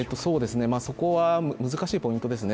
そこは難しいポイントですね